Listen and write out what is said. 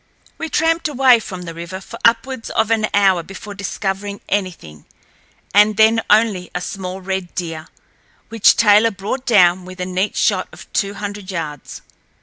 We tramped away from the river for upwards of an hour before discovering anything, and then only a small red deer, which Taylor brought down with a neat shot of two hundred yards.